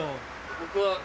僕は。